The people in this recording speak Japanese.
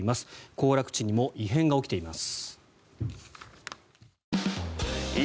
行楽地にも異変が起きています。